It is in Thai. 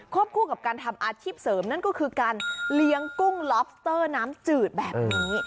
คู่กับการทำอาชีพเสริมนั่นก็คือการเลี้ยงกุ้งลอบสเตอร์น้ำจืดแบบนี้